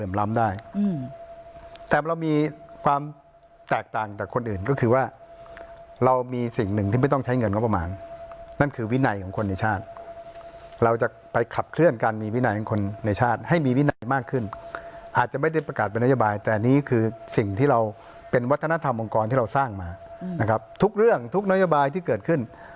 ไม่รักษากติกาทำยาก